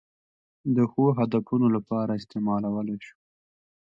د ښو هدفونو لپاره استعمالولای شو.